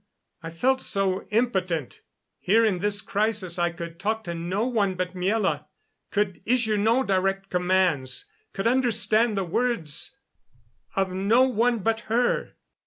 I felt so impotent. Here in this crisis I could talk to no one but Miela could issue no direct commands could understand the words of no one but her.